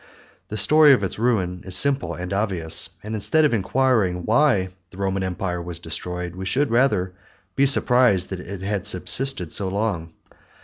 The story of its ruin is simple and obvious; and instead of inquiring why the Roman empire was destroyed, we should rather be surprised that it had subsisted so long.